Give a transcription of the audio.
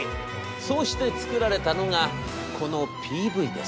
そうして作られたのがこのＰＶです」。